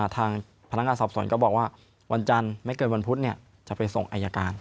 ทางพนักงานสอบสวนก็บอกว่าวันจันทร์ไม่เกินวันพุธจะไปส่งอายการ